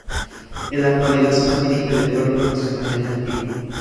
En la actualidad se mantiene intelectual y profesionalmente activa.